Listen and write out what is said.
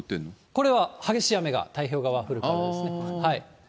これは激しい雨が太平洋側、降るということですね。